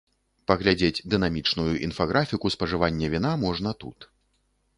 Паглядзець дынамічную інфаграфіку спажывання віна можна тут.